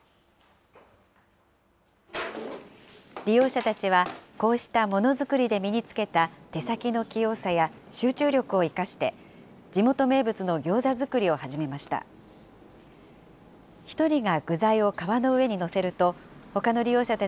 利用者たちはこうしたものづくりで身につけた手先の器用さや集中力を生かして、地元名物のギョーザ作りを始めました。